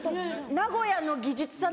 名古屋の技術さん。